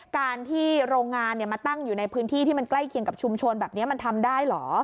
การที่โรงงานมาตั้งอยู่ในพื้นที่ที่มันใกล้เคียงกับชุมชนแบบนี้มันทำได้เหรอ